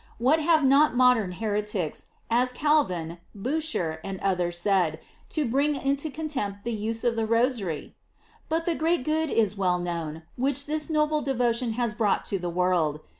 What have not modern heretics, as Calvin, Bucer, and others said, to bring into contempt the use of the Rosary? But the great good is well known, which this noble devotion has brought to the world.